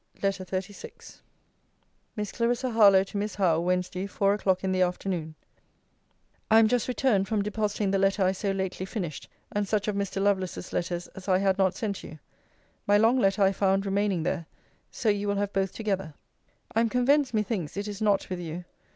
LETTER XXXVI MISS CLARISSA HARLOWE, TO MISS HOWE WEDNESDAY, FOUR O'CLOCK IN THE AFTERNOON I am just returned from depositing the letter I so lately finished, and such of Mr. Lovelace's letters as I had not sent you. My long letter I found remaining there so you will have both together. I am convinced, methinks, it is not with you.